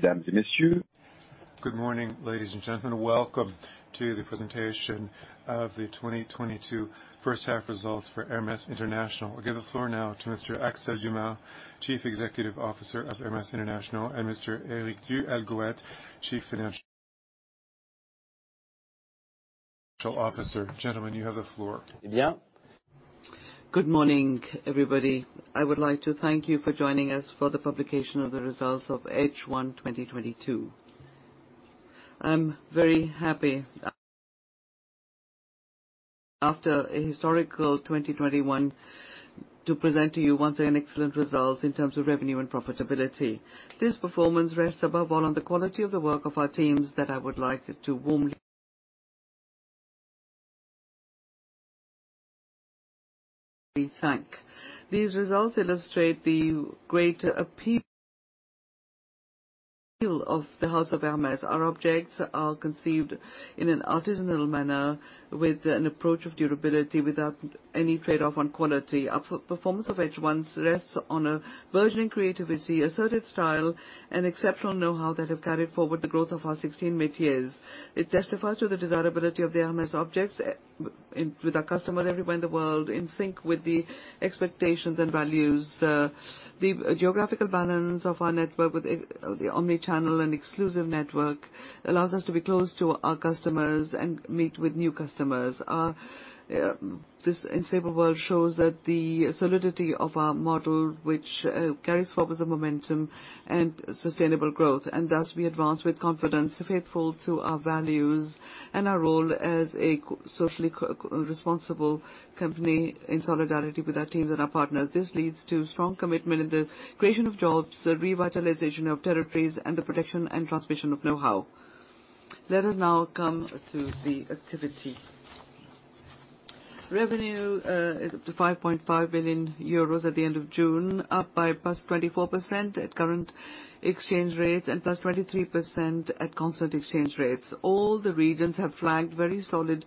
Good morning, ladies and gentlemen. Welcome to the Presentation of the 2022 First Half Results for Hermès International. We give the floor now to Mr. Axel Dumas, Chief Executive Officer of Hermès International, and Mr. Éric du Halgouët, Chief Financial Officer. Gentlemen, you have the floor. Yeah. Good morning, everybody. I would like to thank you for joining us for the publication of the results of H1 2022. I'm very happy, after a historic 2021, to present to you once again excellent results in terms of revenue and profitability. This performance rests above all on the quality of the work of our teams that I would like to warmly thank. These results illustrate the great appeal of the House of Hermès. Our objects are conceived in an artisanal manner with an approach of durability without any trade-off on quality. Our performance of H1 rests on a burgeoning creativity, asserted style, and exceptional know-how that have carried forward the growth of our 16 métiers. It testifies to the desirability of the Hermès objects with our customers everywhere in the world, in sync with the expectations and values. The geographical balance of our network with the omnichannel and exclusive network allows us to be close to our customers and meet with new customers. This unstable world shows that the solidity of our model, which carries focus and momentum and sustainable growth, and thus we advance with confidence, faithful to our values and our role as a socially responsible company in solidarity with our teams and our partners. This leads to strong commitment in the creation of jobs, the revitalization of territories, and the protection and transmission of know-how. Let us now come to the activity. Revenue is up to 5.5 billion euros at the end of June, up by +24% at current exchange rates and +23% at constant exchange rates. All the regions have flagged very solid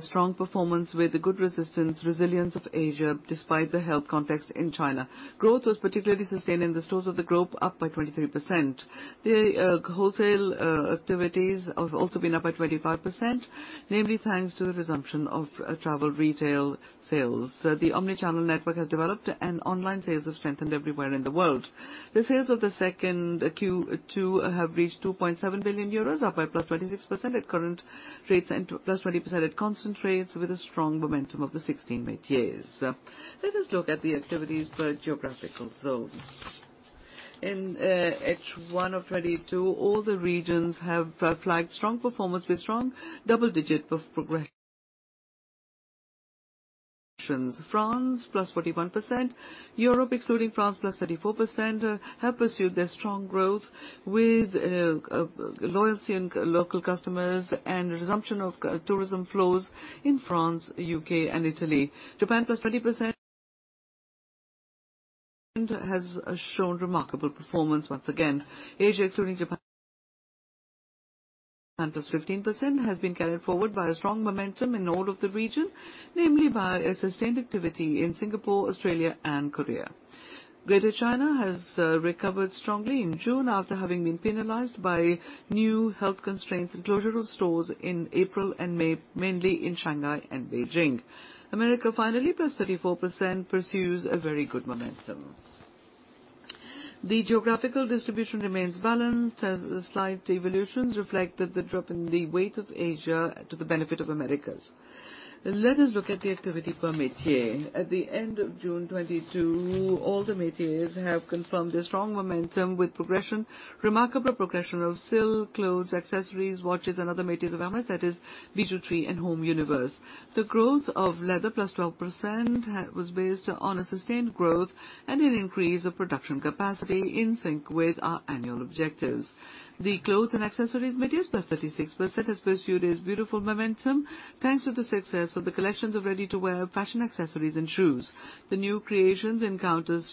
strong performance with the good resistance, resilience of Asia, despite the health context in China. Growth was particularly sustained in the stores of the group, up by 23%. The wholesale activities have also been up by 25%, namely thanks to a resumption of travel retail sales. The omnichannel network has developed, and online sales have strengthened everywhere in the world. The sales of the second Q2 have reached 2.7 billion euros, up by +26% at current rates and +20% at constant rates, with a strong momentum of the 16 métiers. Let us look at the activities per geographical zone. In H1 of 2022, all the regions have flagged strong performance with strong double-digit progression. France, +41%, Europe, excluding France, +34%, have pursued their strong growth with loyalty in local customers and resumption of tourism flows in France, U.K., and Italy. Japan, +20%, has shown remarkable performance once again. Asia, excluding Japan, +15%, has been carried forward by a strong momentum in all of the region, namely by a sustained activity in Singapore, Australia, and Korea. Greater China has recovered strongly in June after having been penalized by new health constraints and closure of stores in April and May, mainly in Shanghai and Beijing. America, finally, +34%, pursues a very good momentum. The geographical distribution remains balanced as the slight evolutions reflected the drop in the weight of Asia to the benefit of Americas. Let us look at the activity per métier. At the end of June 2022, all the métiers have confirmed a strong momentum with progression, remarkable progression of silk clothes, accessories, watches, and other métiers of Hermès, that is bijouterie and home universe. The growth of leather, +12%, was based on a sustained growth and an increase of production capacity in sync with our annual objectives. The clothes and accessories métiers, +36%, has pursued its beautiful momentum thanks to the success of the collections of ready-to-wear fashion accessories and shoes. The new creations encounters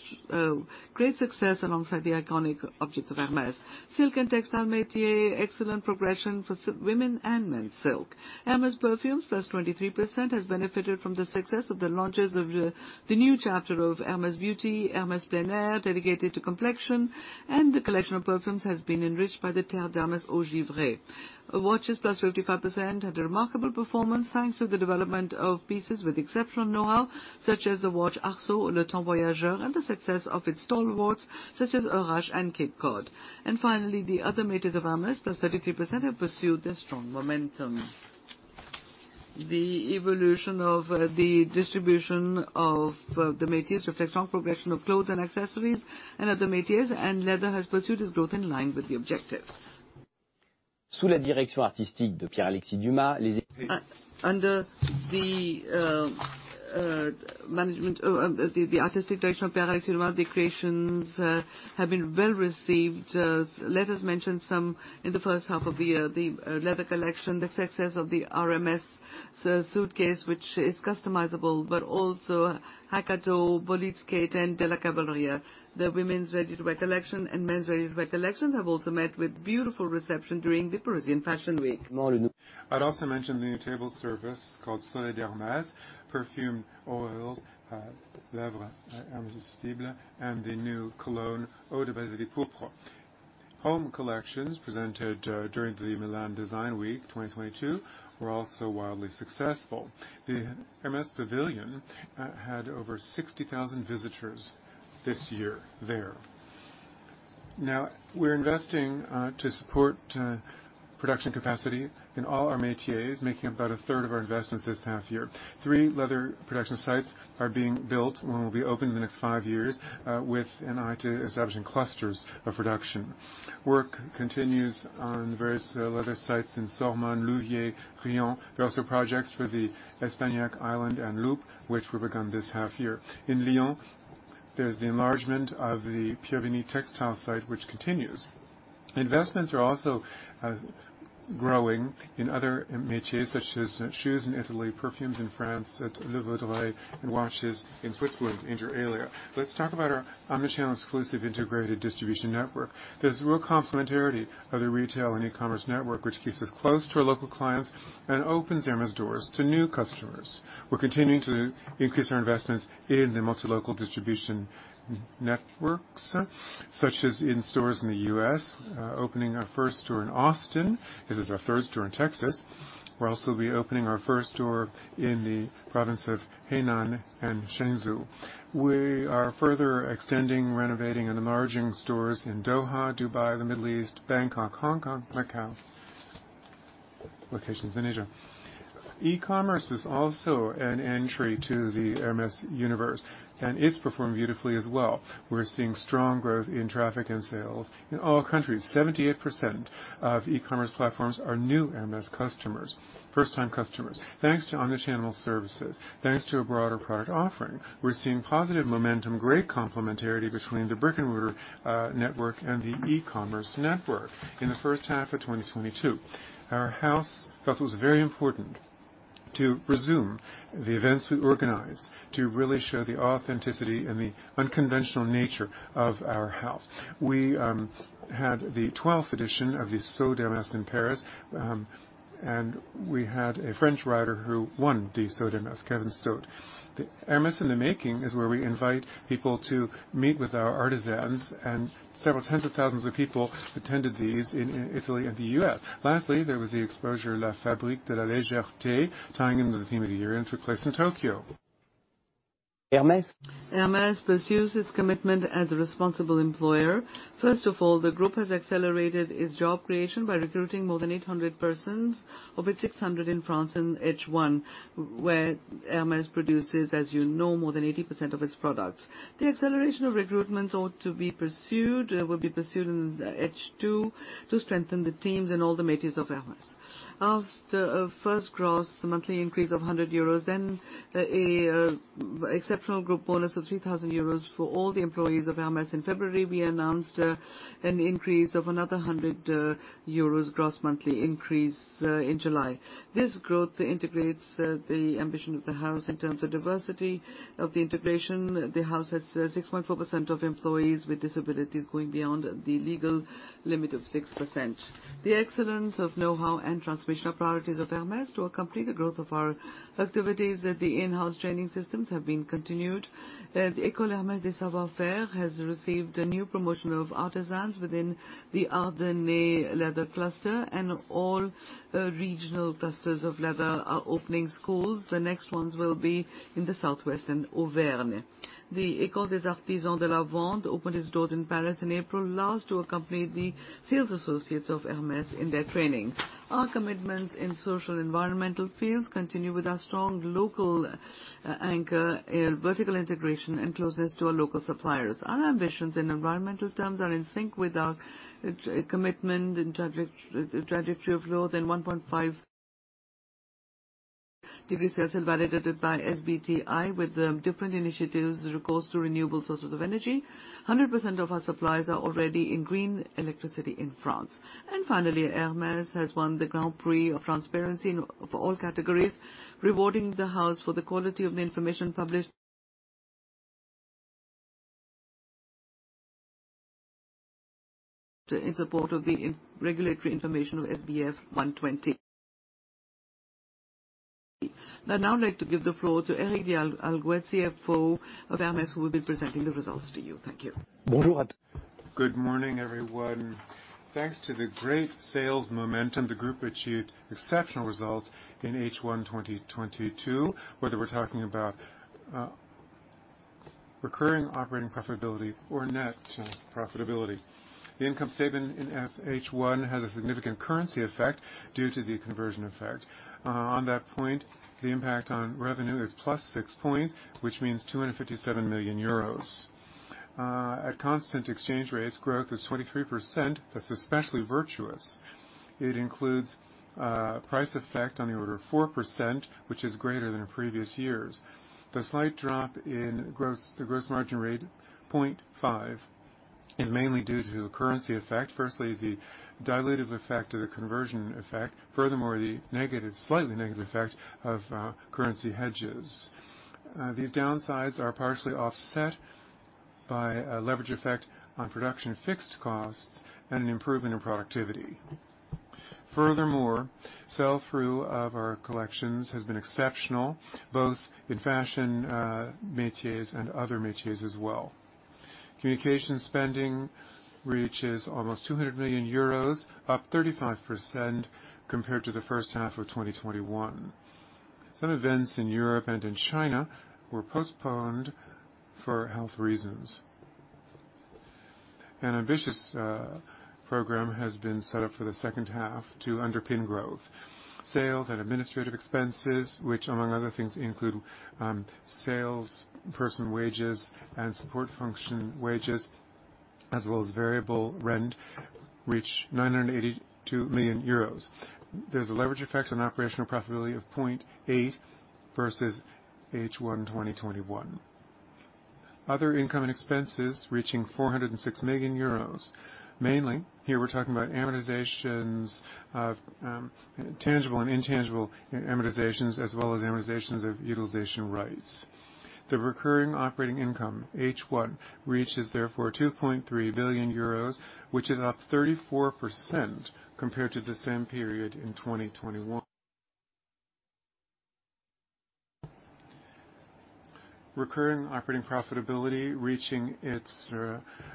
great success alongside the iconic objects of Hermès. Silk and textile métier, excellent progression for women and men's silk. Hermès perfumes, +23%, has benefited from the success of the launches of the new chapter of Hermès Beauty, Hermès Plein Air, dedicated to complexion, and the collection of perfumes has been enriched by the Terre d'Hermès Eau Givrée. Watches, +55%, had a remarkable performance thanks to the development of pieces with exceptional know-how, such as the watch Arceau Le Temps Voyageur and the success of its store stalwarts, such as H08 and Cape Cod. Finally, the other métiers of Hermès, +33%, have pursued their strong momentum. The evolution of the distribution of the métiers reflects strong progression of clothes and accessories and other métiers, and leather has pursued its growth in line with the objectives. Under the artistic direction of Pierre-Alexis Dumas, the creations have been well received. Let us mention some in the first half of the year, the leather collection, the success of the Hermès suitcase, which is customizable, but also Hac à Dos, Bolide, Kelly, and Della Cavalleria. The women's ready-to-wear collection and men's ready-to-wear collection have also met with beautiful reception during the Parisian Fashion Week. I'd also mention the new table service called Soleil d'Hermès, Hermèsistible, and the new cologne, Eau de Basilic Pourpre. Home collections presented during the Milan Design Week 2022 were also wildly successful. The Hermès pavilion had over 60,000 visitors this year. Now we're investing to support production capacity in all our métiers, making about a third of our investments this half year. Three leather production sites are being built and will be open in the next five years, with an eye to establishing clusters of production. Work continues on various leather sites in Saumur, Louviers, Riom. There are also projects for L'Isle-d'Espagnac and Loupes, which will begin this half year. In Lyon, there's the enlargement of the Pierre-Bénite textile site, which continues. Investments are also growing in other métiers, such as shoes in Italy, perfumes in France at Le Vaudreuil, and watches in Switzerland, inter alia. Let's talk about our omnichannel exclusive integrated distribution network. There's real complementarity of the retail and e-commerce network, which keeps us close to our local clients and opens Hermès doors to new customers. We're continuing to increase our investments in the multi-local distribution networks, such as in stores in the U.S., opening our first store in Austin. This is our first store in Texas. We're also be opening our first store in the province of Henan and Zhengzhou. We are further extending, renovating, and enlarging stores in Doha, Dubai, the Middle East, Bangkok, Hong Kong, Macau, locations in Asia. E-commerce is also an entry to the Hermès universe, and it's performed beautifully as well. We're seeing strong growth in traffic and sales in all countries. 78% of e-commerce platforms are new Hermès customers, first-time customers. Thanks to omnichannel services, thanks to a broader product offering, we're seeing positive momentum, great complementarity between the brick-and-mortar network and the e-commerce network. In the first half of 2022, our house felt it was very important to resume the events we organize to really show the authenticity and the unconventional nature of our house. We had the 12th edition of the Saut Hermès in Paris, and we had a French rider who won the Saut Hermès, Kevin Staut. The Hermès in the Making is where we invite people to meet with our artisans, and several tens of thousands of people attended these in Italy and the U.S. Lastly, there was the exposition La Fabrique de la légèreté, tying into the theme of the year, and took place in Tokyo. Hermès? Hermès pursues its commitment as a responsible employer. First of all, the group has accelerated its job creation by recruiting more than 800 persons, of which 600 in France in H1, where Hermès produces, as you know, more than 80% of its products. The acceleration of recruitment ought to be pursued, will be pursued in the H2 to strengthen the teams in all the métiers of Hermès. After a first gross monthly increase of 100 euros, then an exceptional group bonus of 3,000 euros for all the employees of Hermès, in February we announced an increase of another 100 euros gross monthly increase in July. This growth integrates the ambition of the house in terms of diversity of the integration. The house has 6.4% of employees with disabilities, going beyond the legal limit of 6%. The excellence of know-how and transmission are priorities of Hermès. To accompany the growth of our activities, the in-house training systems have been continued. The École Hermès des savoir-faire has received a new promotion of artisans within the Ardennes leather cluster, and all regional clusters of leather are opening schools. The next ones will be in the southwest in Auvergne. The École des Artisans de la Vente opened its doors in Paris in April last to accompany the sales associates of Hermès in their training. Our commitments in social environmental fields continue with our strong local anchor, vertical integration, and closeness to our local suppliers. Our ambitions in environmental terms are in sync with our commitment and trajectory of growth in 1.5 degree Celsius, validated by SBTi with different initiatives with regards to renewable sources of energy. 100% of our suppliers are already in green electricity in France. Finally, Hermès has won the Grands Prix de la Transparence in for all categories, rewarding the house for the quality of the information published in support of the regulatory information of SBF 120. I'd now like to give the floor to Éric du Halgouët, CFO of Hermès, who will be presenting the results to you. Thank you. Good morning, everyone. Thanks to the great sales momentum, the group achieved exceptional results in H1 2022, whether we're talking about recurring operating profitability or net profitability. The income statement in H1 has a significant currency effect due to the conversion effect. On that point, the impact on revenue is +6 points, which means 257 million euros. At constant exchange rates, growth is 23%. That's especially virtuous. It includes price effect on the order of 4%, which is greater than in previous years. The slight drop in the gross margin rate, 0.5, is mainly due to currency effect, firstly the dilutive effect or the conversion effect, furthermore the negative, slightly negative effect of currency hedges. These downsides are partially offset by a leverage effect on production of fixed costs and an improvement in productivity. Furthermore, sell-through of our collections has been exceptional, both in fashion, métiers and other métiers as well. Communication spending reaches almost 200 million euros, up 35% compared to the first half of 2021. Some events in Europe and in China were postponed for health reasons. An ambitious program has been set up for the second half to underpin growth. Sales and administrative expenses, which among other things include salesperson wages, and support function wages, as well as variable rent, reach 982 million euros. There's a leverage effect on operational profitability of 0.8 versus H1 2021. Other income and expenses reaching 406 million euros. Mainly, here we're talking about amortizations of tangible and intangible amortizations, as well as amortizations of utilization rights. The recurring operating income, H1, reaches therefore 2.3 billion euros, which is up 34% compared to the same period in 2021. Recurring operating profitability reaching its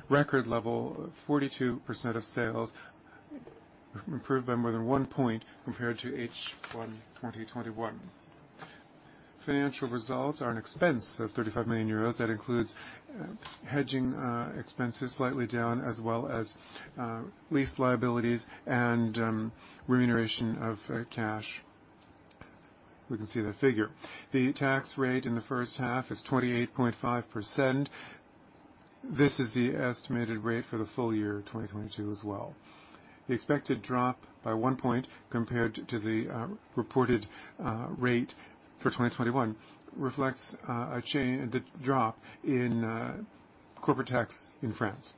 record level, 42% of sales, improved by more than one point compared to H1 2021. Financial results are an expense of 35 million euros. That includes hedging expenses slightly down, as well as lease liabilities and remuneration of cash. We can see that figure. The tax rate in the first half is 28.5%. This is the estimated rate for the full year 2022 as well. The expected drop by 1% compared to the reported rate for 2021 reflects the drop in corporate tax in France.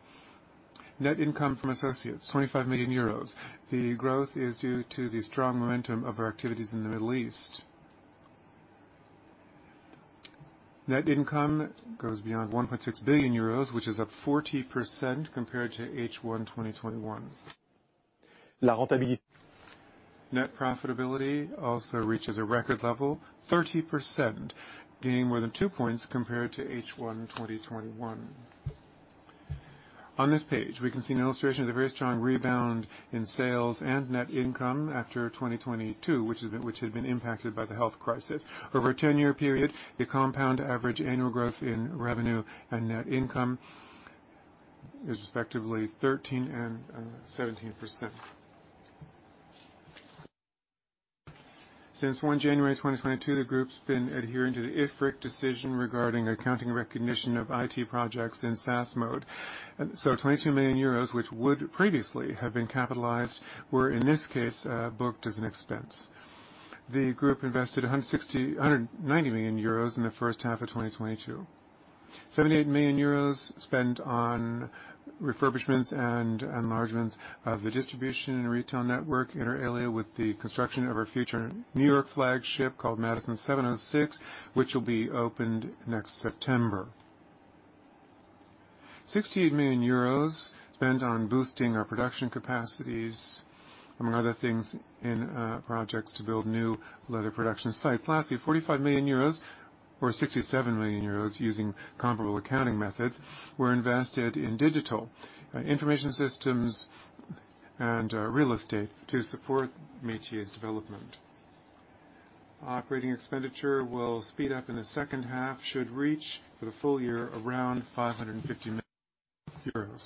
Net income from associates, 25 million euros. The growth is due to the strong momentum of our activities in the Middle East. Net income goes beyond 1.6 billion euros, which is up 40% compared to H1 2021. Net profitability also reaches a record level, 30%, gaining more than 2 points compared to H1 2021. On this page, we can see an illustration of the very strong rebound in sales and net income after 2022, which had been impacted by the health crisis. Over a 10-year period, the compound average annual growth in revenue and net income is respectively 13% and 17%. Since 1 January 2022, the group has been adhering to the IFRIC decision regarding accounting recognition of IT projects in SaaS mode. 22 million euros, which would previously have been capitalized, were in this case booked as an expense. The group invested 190 million euros in the first half of 2022. 78 million euros spent on refurbishments and enlargements of the distribution and retail network, inter alia, with the construction of our future New York flagship called Madison 706, which will be opened next September. 16 million euros spent on boosting our production capacities, among other things, in projects to build new leather production sites. Lastly, 45 million euros or 67 million euros, using comparable accounting methods, were invested in digital information systems and real estate to support métiers development. Operating expenditure will speed up in the second half, should reach for the full year around 550 million euros.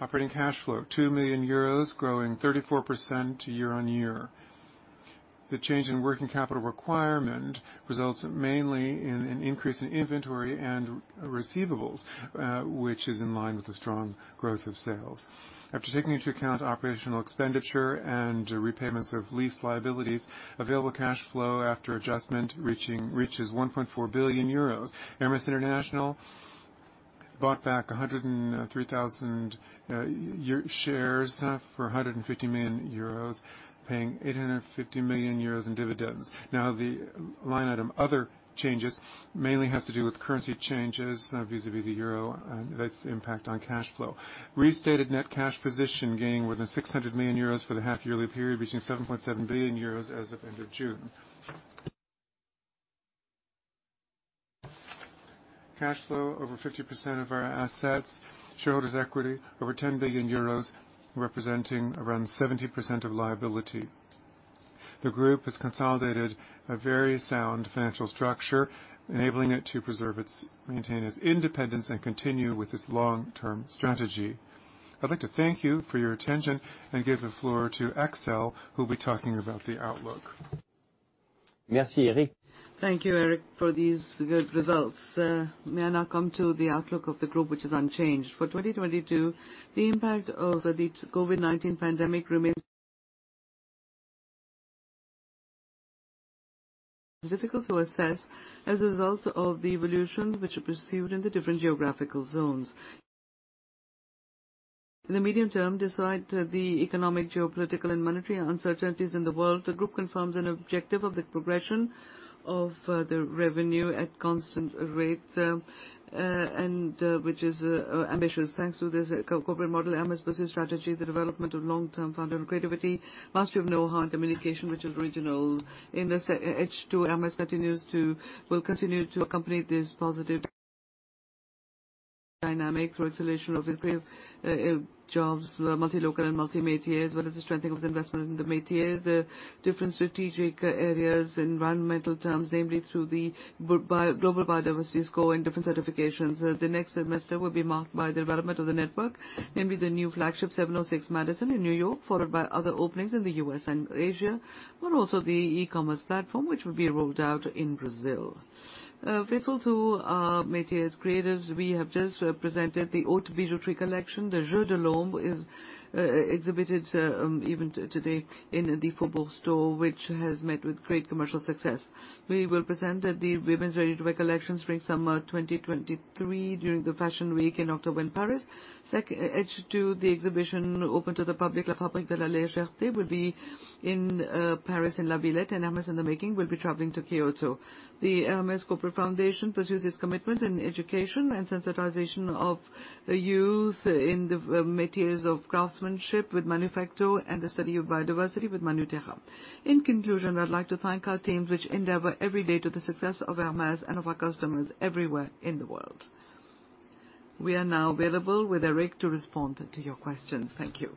Operating cash flow, 2 million euros, growing 34% year on year. The change in working capital requirement results mainly in an increase in inventory and receivables, which is in line with the strong growth of sales. After taking into account operational expenditure and repayments of lease liabilities, available cash flow after adjustment reaches 1.4 billion euros. Hermès International bought back a hundred and three thousand shares for 150 million euros, paying 850 million euros in dividends. Now, the line item, other changes, mainly has to do with currency changes vis-à-vis the euro, and that's the impact on cash flow. Restated net cash position gaining more than 600 million euros for the half yearly period, reaching 7.7 billion euros as of end of June. Cash flow over 50% of our assets. Shareholders' equity over 10 billion euros, representing around 70% of liability. The group has consolidated a very sound financial structure, enabling it to preserve its, maintain its independence and continue with its long-term strategy. I'd like to thank you for your attention and give the floor to Axel, who'll be talking about the outlook. Merci, Éric. Thank you, Éric, for these good results. May I now come to the outlook of the group, which is unchanged. For 2022, the impact of the COVID-19 pandemic remains difficult to assess as a result of the evolutions which are pursued in the different geographical zones. In the medium term, despite the economic, geopolitical, and monetary uncertainties in the world, the group confirms an objective of the progression of the revenue at constant rates, and which is ambitious. Thanks to this corporate model, Hermès business strategy, the development of long-term founder and creativity, mastery of know-how, and the creation which is original. In the H2, Hermès will continue to accompany this positive dynamic through acceleration of creative jobs, multi-local and multi-métiers, as well as the strengthening of investment in the métier. The different strategic areas, environmental themes, namely through the Global Biodiversity Score and different certifications. The next semester will be marked by the development of the network, namely the new flagship 706 Madison in New York, followed by other openings in the U.S. and Asia, but also the eCommerce platform, which will be rolled out in Brazil. Faithful to our métiers creatives, we have just presented the Haute Bijouterie collection. Les Jeux de l'ombre is exhibited even today in the Faubourg store, which has met with great commercial success. We will present the women's ready-to-wear collection Spring-Summer 2023 during the Fashion Week in October in Paris. H2, the exhibition open to the public, La Fabrique de la légèreté, will be in Paris in La Villette, and Hermès in the Making will be traveling to Kyoto. The Hermès Corporate Foundation pursues its commitment in education and sensitization of the youth in the métiers of craftsmanship with Manufacto and the study of biodiversity with Manufacture de la Nature. In conclusion, I'd like to thank our teams which endeavor every day to the success of Hermès and of our customers everywhere in the world. We are now available with Éric to respond to your questions. Thank you.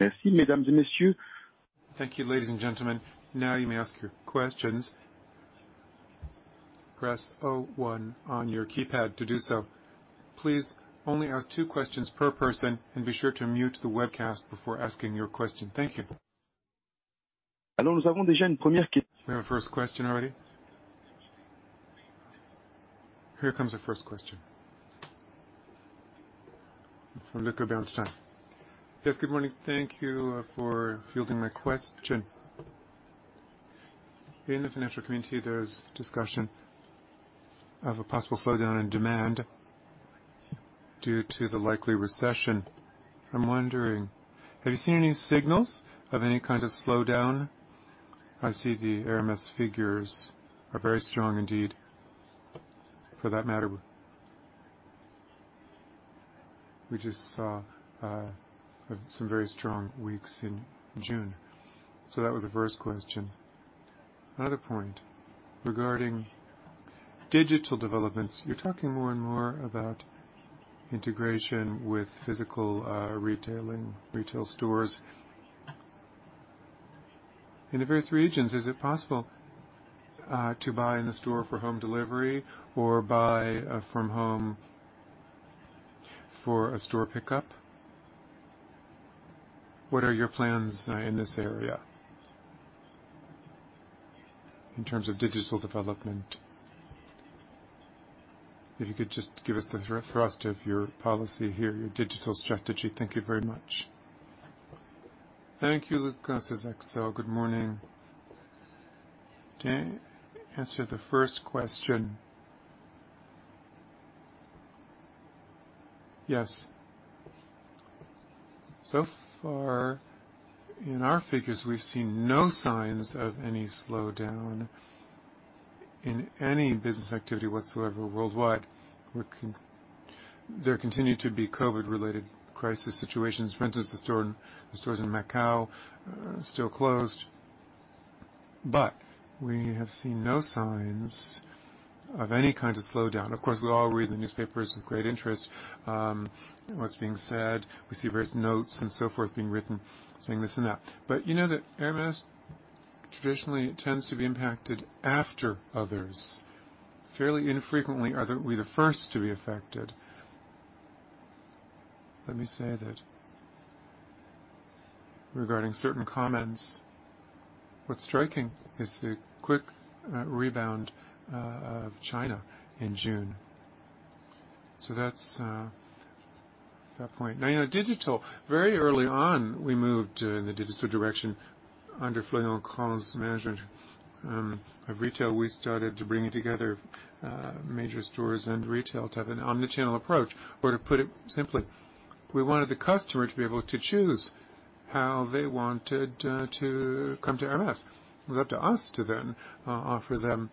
Thank you, ladies and gentlemen. Now you may ask your questions. Press O one on your keypad to do so. Please only ask two questions per person, and be sure to mute the webcast before asking your question. Thank you. We have a first question already. Here comes the first question. From Luca Solca. Yes, good morning. Thank you for fielding my question. In the financial community, there's discussion of a possible slowdown in demand due to the likely recession. I'm wondering, have you seen any signals of any kind of slowdown? I see the Hermès figures are very strong indeed. For that matter, we just saw some very strong weeks in June. That was the first question. Another point, regarding digital developments, you're talking more and more about integration with physical retailing, retail stores. In the various regions, is it possible to buy in the store for home delivery or buy from home for a store pickup? What are your plans in this area in terms of digital development? If you could just give us the thrust of your policy here, your digital strategy. Thank you very much. Thank you, Luca. This is Axel. Good morning. To answer the first question. Yes. So far in our figures, we've seen no signs of any slowdown in any business activity whatsoever worldwide. There continue to be COVID-19-related crisis situations. For instance, the stores in Macau are still closed. But we have seen no signs of any kind of slowdown. Of course, we all read the newspapers with great interest, what's being said. We see various notes and so forth being written, saying this and that. You know that Hermès traditionally tends to be impacted after others. Fairly infrequently are we the first to be affected. Let me say that regarding certain comments, what's striking is the quick rebound of China in June. That's that point. Now, you know, digital, very early on, we moved in the digital direction under Florian Craen's management of retail. We started to bring together major stores and retail to have an omnichannel approach, or to put it simply, we wanted the customer to be able to choose how they wanted to come to Hermès. It was up to us to then offer them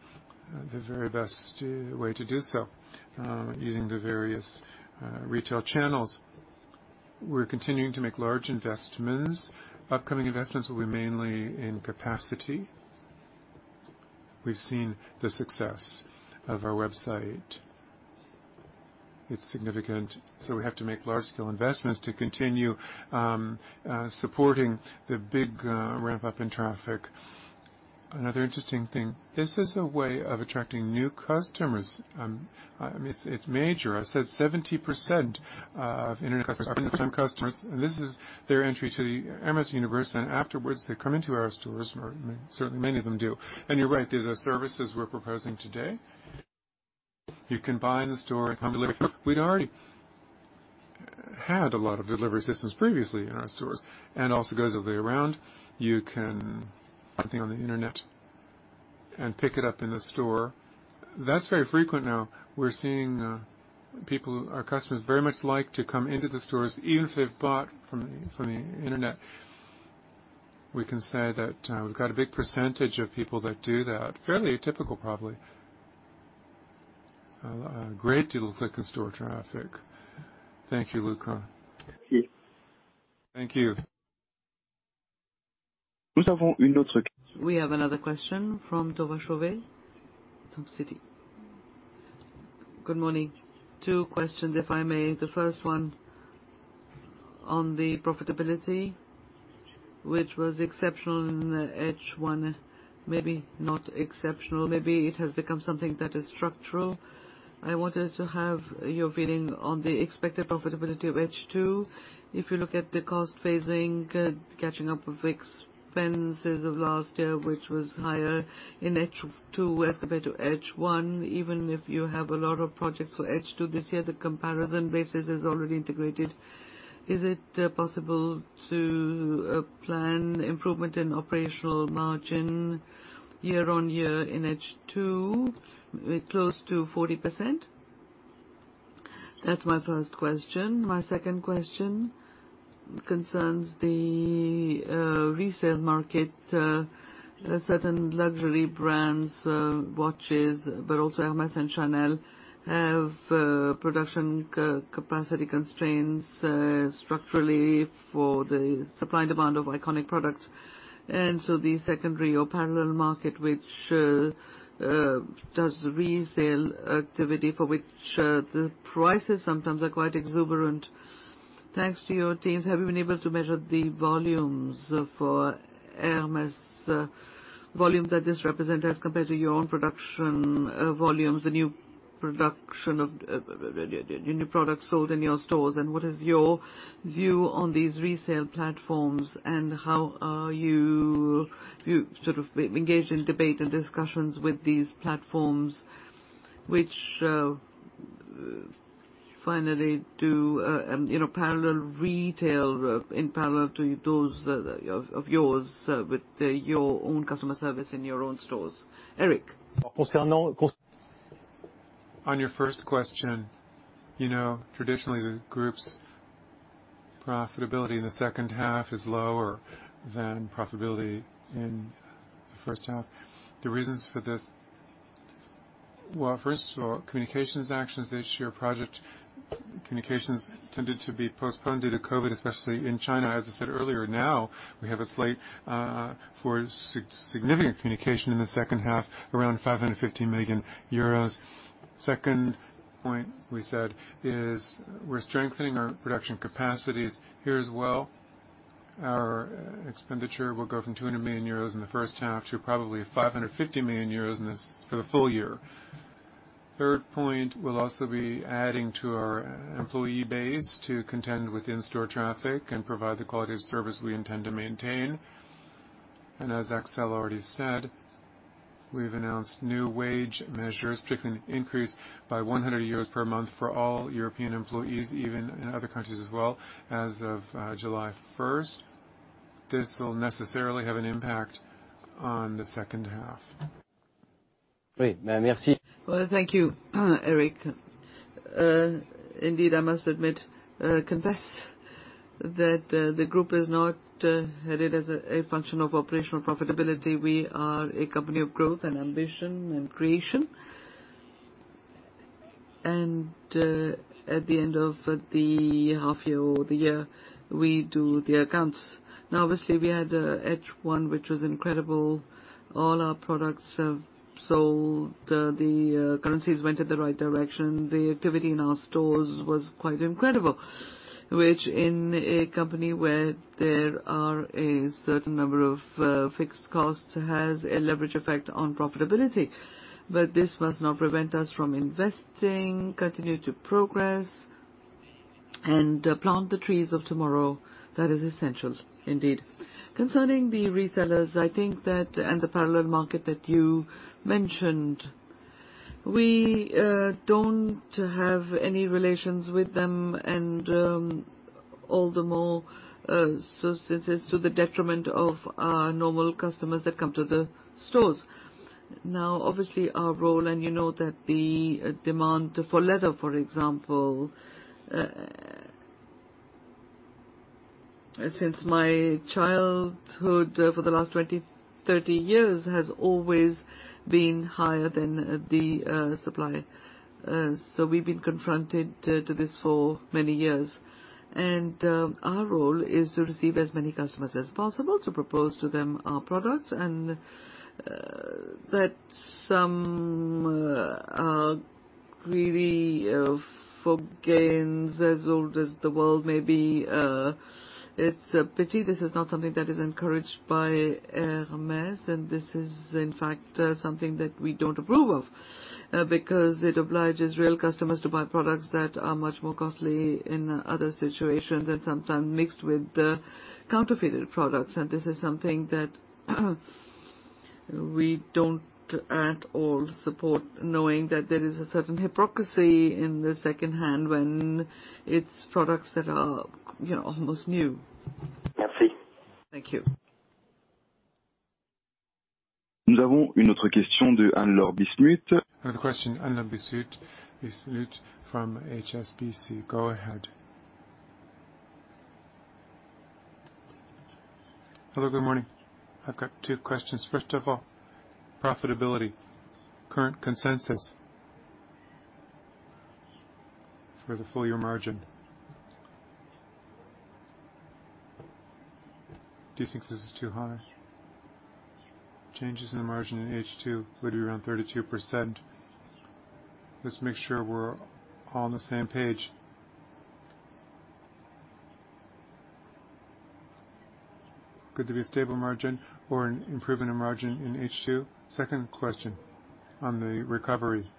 the very best way to do so using the various retail channels. We're continuing to make large investments. Upcoming investments will be mainly in capacity. We've seen the success of our website. It's significant, so we have to make large-scale investments to continue supporting the big ramp-up in traffic. Another interesting thing, this is a way of attracting new customers. I mean, it's major. I said 70% of internet customers are first-time customers, and this is their entry to the Hermès universe, and afterwards, they come into our stores, or, I mean, certainly many of them do. You're right, these are services we're proposing today. You can buy in the store and have it delivered. We'd already had a lot of delivery systems previously in our stores, and it also goes the other way around. You can buy something on the Internet and pick it up in the store. That's very frequent now. We're seeing people, our customers very much like to come into the stores, even if they've bought from the Internet. We can say that we've got a big percentage of people that do that. Fairly typical, probably. A great deal of click-and-store traffic. Thank you, Luca. Thank you. Thank you. We have another question from Thomas Chauvet, from Citi. Good morning. Two questions, if I may. The first one on the profitability, which was exceptional in the H one, maybe not exceptional. Maybe it has become something that is structural. I wanted to have your feeling on the expected profitability of H2. If you look at the cost phasing, catching up with expenses of last year, which was higher in H2 as compared to H1, even if you have a lot of projects for H2 this year, the comparison basis is already integrated. Is it possible to plan improvement in operational margin year on year in H2, close to 40%? That's my first question. My second question concerns the resale market. Certain luxury brands, watches, but also Hermès and Chanel, have production capacity constraints structurally for the supply and demand of iconic products. The secondary or parallel market, which does resale activity for which the prices sometimes are quite exorbitant. Thanks to your teams, have you been able to measure the volumes for Hermès, volume that this represent as compared to your own production volumes, the new production of the new products sold in your stores, and what is your view on these resale platforms, and how are you sort of engaged in debate and discussions with these platforms which finally do, you know, parallel retail in parallel to those of yours with your own customer service in your own stores. Éric? On your first question, you know, traditionally, the group's profitability in the second half is lower than profitability in the first half. The reasons for this, well, first of all, communications actions this year, project communications tended to be postponed due to COVID, especially in China, as I said earlier. Now we have a slate for significant communication in the second half, around 550 million euros. Second point we said is we're strengthening our production capacities here as well. Our expenditure will go from 200 million euros in the first half to probably 550 million euros for the full year. Third point, we'll also be adding to our employee base to contend with in-store traffic and provide the quality of service we intend to maintain. As Axel already said, we've announced new wage measures, particularly an increase by 100 euros per month for all European employees, even in other countries as well, as of July 1. This will necessarily have an impact on the second half. Well, thank you, Éric. Indeed, I must admit, confess that the group is not headed as a function of operational profitability. We are a company of growth and ambition and creation. At the end of the half year or the year, we do the accounts. Now, obviously, we had H1, which was incredible. All our products have sold. Currencies went in the right direction. The activity in our stores was quite incredible, which in a company where there are a certain number of fixed costs, has a leverage effect on profitability. This must not prevent us from investing, continue to progress and plant the trees of tomorrow. That is essential indeed. Concerning the resellers, I think that, and the parallel market that you mentioned, we don't have any relations with them and, all the more, so since it's to the detriment of our normal customers that come to the stores. Now, obviously, our role and you know that the demand for leather, for example, since my childhood, for the last 20, 30 years, has always been higher than the supply. We've been confronted to this for many years. Our role is to receive as many customers as possible to propose to them our products and that some are greedy for gains as old as the world may be, it's a pity. This is not something that is encouraged by Hermès, and this is in fact something that we don't approve of, because it obliges real customers to buy products that are much more costly in other situations and sometimes mixed with counterfeited products. This is something that we don't at all support, knowing that there is a certain hypocrisy in the second-hand when it's products that are, you know, almost new. Thank you. We have another question from Anne-Laure Bismuth. Another question, Anne-Laure Bismuth from HSBC. Go ahead. Hello, good morning. I've got two questions. First of all, profitability, current consensus for the full year margin. Do you think this is too high? Changes in the margin in H2 would be around 32%. Let's make sure we're all on the same page. Good to be a stable margin or an improvement in margin in H2. Second question on the recovery.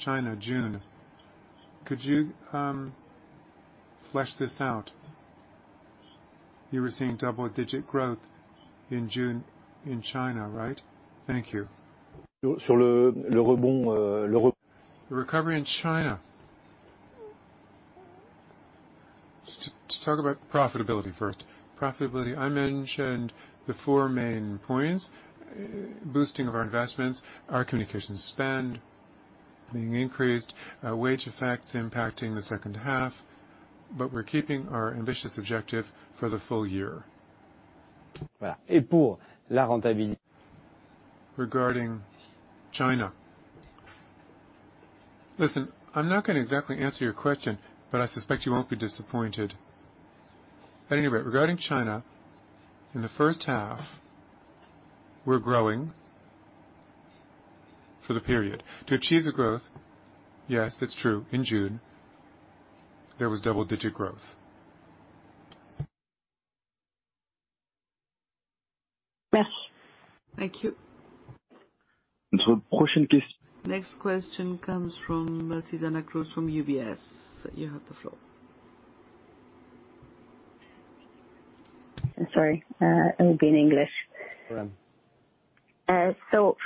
China, June, could you flesh this out? You were seeing double-digit growth in June in China, right? Thank you. The recovery in China. To talk about profitability first. Profitability, I mentioned the four main points, boosting of our investments, our communication spend being increased, wage effects impacting the second half, but we're keeping our ambitious objective for the full year. Regarding China. Listen, I'm not gonna exactly answer your question, but I suspect you won't be disappointed. At any rate, regarding China, in the first half, we're growing for the period. To achieve the growth, yes, it's true, in June, there was double-digit growth. Merci. Thank you. Next question comes from Zuzanna Pusz from UBS. You have the floor. Sorry, it will be in English. Go ahead.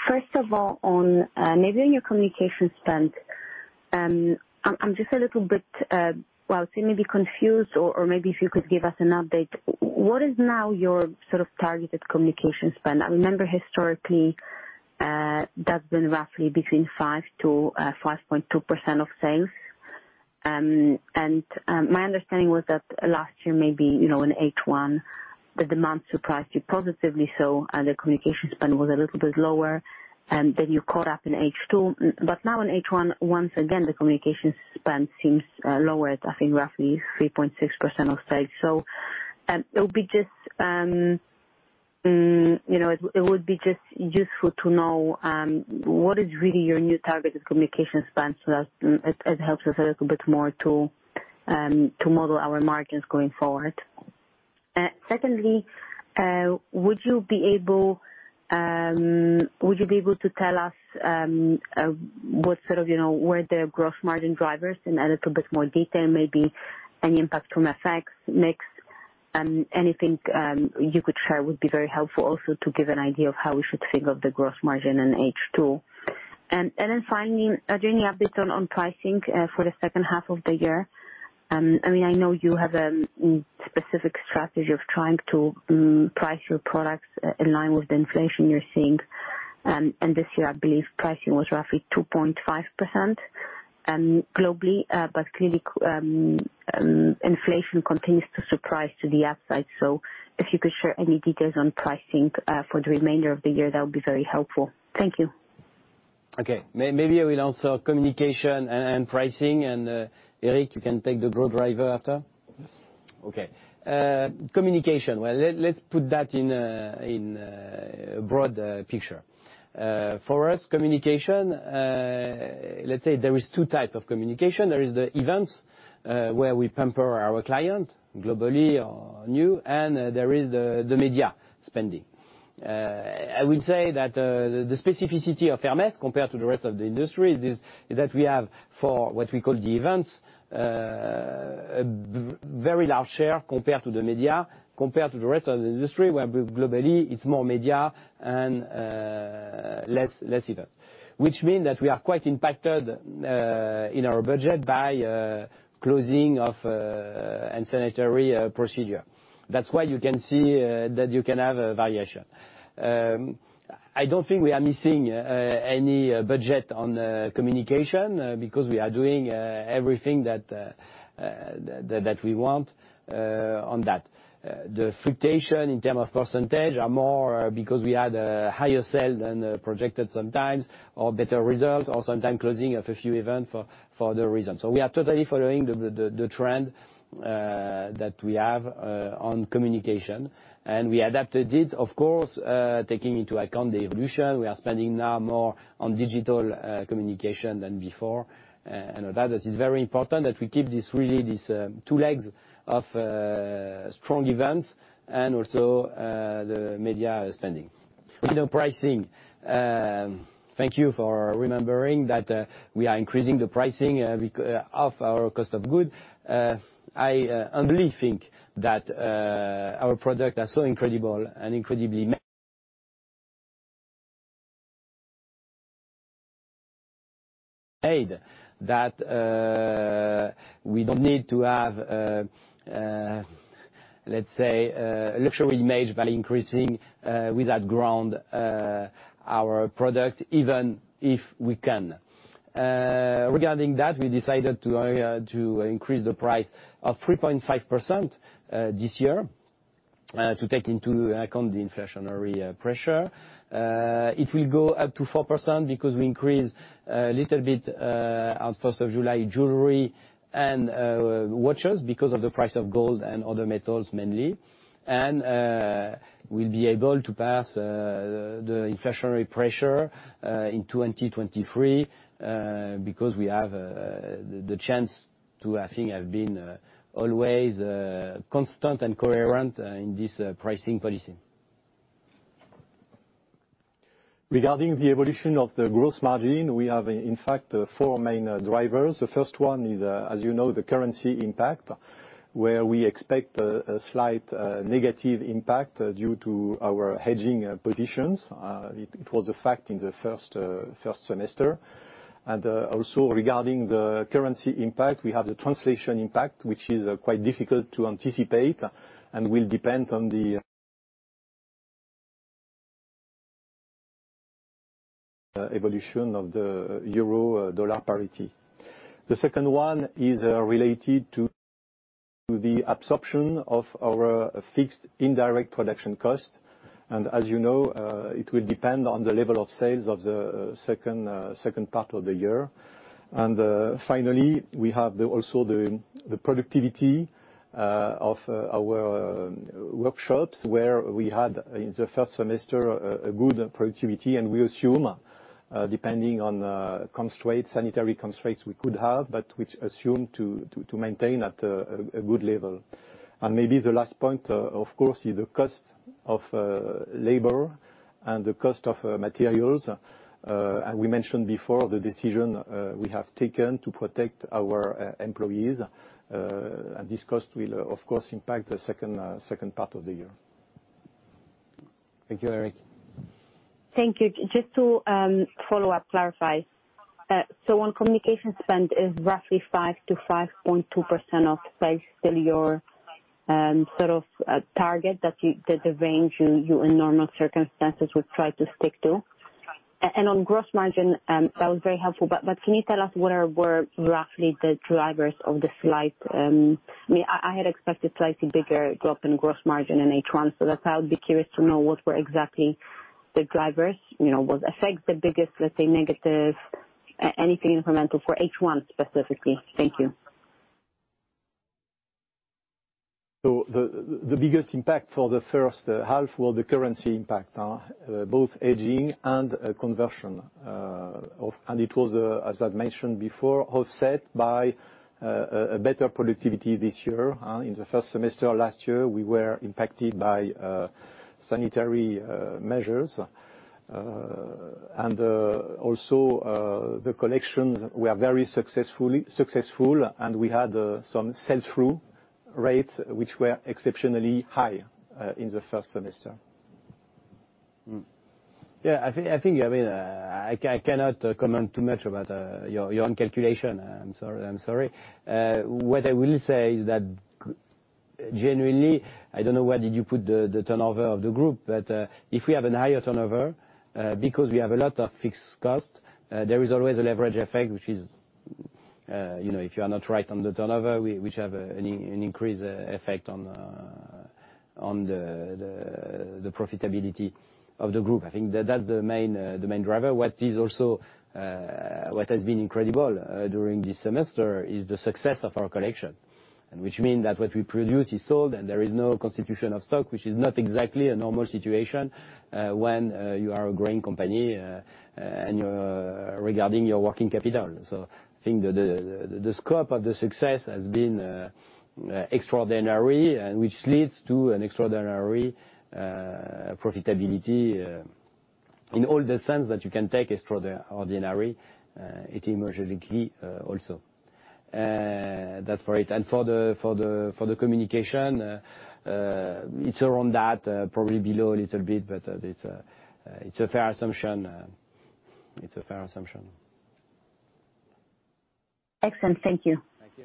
First of all, on your communication spend, I'm just a little bit, well, maybe confused or maybe if you could give us an update. What is now your sort of targeted communication spend? I remember historically, that's been roughly between 5%-5.2% of sales. My understanding was that last year, maybe, you know, in H1, the demand surprised you positively, so the communication spend was a little bit lower, and then you caught up in H2. Now in H1, once again, the communication spend seems lower, I think roughly 3.6% of sales. It would be just useful to know what is really your new targeted communication spend so that it helps us a little bit more to model our margins going forward. Secondly, would you be able to tell us what sort of, you know, were the gross margin drivers in a little bit more detail, maybe any impact from FX next? Anything you could share would be very helpful also to give an idea of how we should think of the gross margin in H2. Finally, do you any update on pricing for the second half of the year? I mean, I know you have a specific strategy of trying to price your products in line with the inflation you're seeing. This year, I believe pricing was roughly 2.5% globally, but inflation continues to surprise to the upside. If you could share any details on pricing for the remainder of the year, that would be very helpful. Thank you. Okay. Maybe I will answer communication and pricing, and Éric, you can take the broad driver after. Yes. Okay. Communication. Well, let's put that in a broad picture. For us, communication, let's say there is two types of communication. There is the events where we pamper our clients globally or new, and there is the media spending. I will say that the specificity of Hermès compared to the rest of the industry is that we have for what we call the events a very large share compared to the media, compared to the rest of the industry, where globally it's more media and less events. Which means that we are quite impacted in our budget by closings and sanitary procedures. That's why you can see that you can have a variation. I don't think we are missing any budget on communication because we are doing everything that we want on that. The fluctuation in terms of percentage are more because we had higher sales than projected sometimes or better results or sometimes closing of a few events for other reasons. We are totally following the trend that we have on communication. We adapted it, of course, taking into account the evolution. We are spending now more on digital communication than before. That is very important that we keep this two legs of strong events and also the media spending. You know, pricing. Thank you for remembering that we are increasing the pricing of our cost of goods. I honestly think that our products are so incredible and incredibly made, that we don't need to have, let's say, a luxury image by increasing without grounds our prices, even if we can. Regarding that, we decided to increase the price by 3.5% this year to take into account the inflationary pressure. It will go up to 4% because we increase a little bit on first of July, jewelry and watches because of the price of gold and other metals mainly. We'll be able to pass the inflationary pressure in 2023 because we have the chance to, I think, have been always constant and coherent in this pricing policy. Regarding the evolution of the gross margin, we have, in fact, four main drivers. The first one is, as you know, the currency impact, where we expect a slight negative impact due to our hedging positions. It was a fact in the first semester. Also regarding the currency impact, we have the translation impact, which is quite difficult to anticipate and will depend on the evolution of the euro-dollar parity. The second one is related to the absorption of our fixed indirect production cost. As you know, it will depend on the level of sales of the second part of the year. Finally, we have also the productivity of our workshops, where we had in the first semester a good productivity. We assume, depending on sanitary constraints we could have, but we assume to maintain at a good level. Maybe the last point, of course, is the cost of labor and the cost of materials. We mentioned before the decision we have taken to protect our employees. This cost will of course impact the second part of the year. Thank you, Éric. Thank you. Just to follow up, clarify. So on communication spend is roughly 5%-5.2% of sales still your sort of target that you, the range you in normal circumstances would try to stick to. On gross margin, that was very helpful. Can you tell us what were roughly the drivers of the slight. I had expected slightly bigger drop in gross margin in H1, so that's why I would be curious to know what were exactly the drivers. You know, what effect the biggest, let's say, negative, anything incremental for H1 specifically. Thank you. The biggest impact for the first half was the currency impact, both hedging and conversion. It was, as I've mentioned before, offset by a better productivity this year. In the first semester last year, we were impacted by sanitary measures. Also, the collections were very successful, and we had some sell-through rates which were exceptionally high in the first semester. Yeah, I think I mean I cannot comment too much about your own calculation. I'm sorry. What I will say is that genuinely, I don't know where did you put the turnover of the group. If we have a higher turnover because we have a lot of fixed costs, there is always a leverage effect, which is you know if you are not right on the turnover which have an increased effect on the profitability of the group. I think that's the main driver. What has been incredible during this semester is the success of our collection, which means that what we produce is sold and there is no constitution of stock, which is not exactly a normal situation when you are a growing company and with regard to your working capital. I think the scope of the success has been extraordinary, which leads to an extraordinary profitability in all the senses that you can take it extraordinarily emotionally also. That's for it. For the communication, it's around that, probably a little bit below, but it's a fair assumption. Excellent. Thank you. Thank you.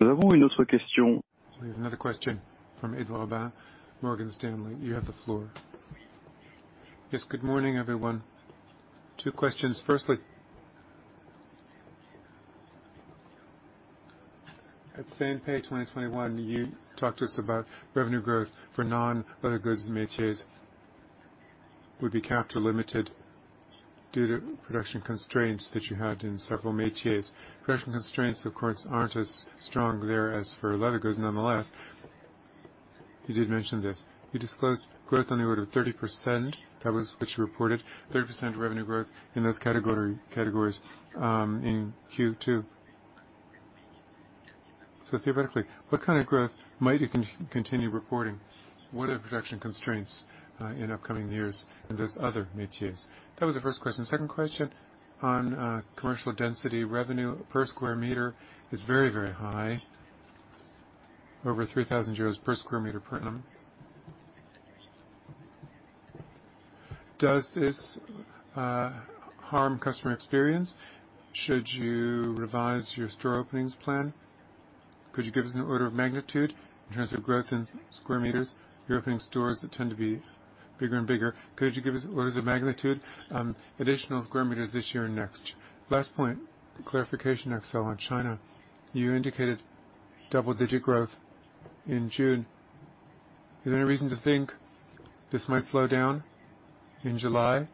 We have another question from Edouard Aubin, Morgan Stanley. You have the floor. Yes. Good morning, everyone. Two questions. Firstly, on the same page 2021, you talked to us about revenue growth for non-leather goods métiers would be capacity limited due to production constraints that you had in several métiers. Production constraints, of course, aren't as strong there as for leather goods. Nonetheless, you did mention this. You disclosed growth on the order of 30%. That was what you reported, 30% revenue growth in those categories in Q2. Theoretically, what kind of growth might you continue reporting? What are production constraints in upcoming years in those other métiers? That was the first question. Second question on commercial density. Revenue per square meter is very, very high, over 3,000 euros per square meter per annum. Does this harm customer experience? Should you revise your store openings plan? Could you give us an order of magnitude in terms of growth in square meters? You're opening stores that tend to be bigger and bigger. Could you give us orders of magnitude, additional square meters this year and next? Last point, clarification, Axel, on China. You indicated double-digit growth in June. Is there any reason to think this might slow down in July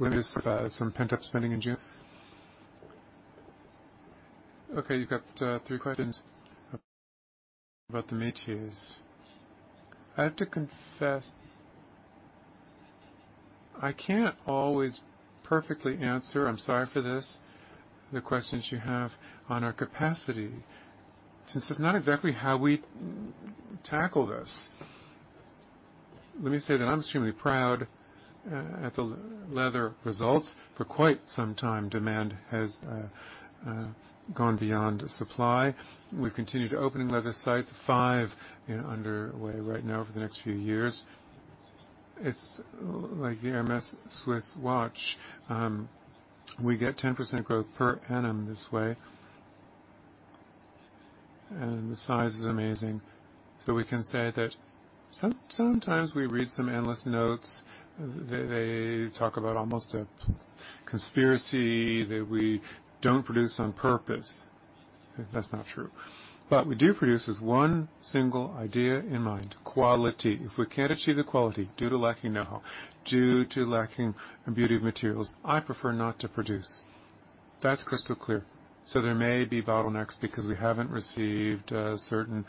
with this, some pent-up spending in June? Okay, you got three questions about the métiers. I have to confess, I can't always perfectly answer, I'm sorry for this, the questions you have on our capacity since it's not exactly how we tackle this. Let me say that I'm extremely proud at the leather results. For quite some time, demand has gone beyond supply. We've continued opening leather sites, five, you know, underway right now over the next few years. It's like the Hermès Swiss watch. We get 10% growth per annum this way. The size is amazing, so we can say that sometimes we read some analyst notes. They talk about almost a conspiracy that we don't produce on purpose. That's not true. We do produce with one single idea in mind, quality. If we can't achieve the quality due to lacking know-how, due to lacking beauty of materials, I prefer not to produce. That's crystal clear. There may be bottlenecks because we haven't received a certain